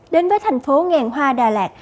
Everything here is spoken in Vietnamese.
đến với thành phố ngàn hoa đà lạt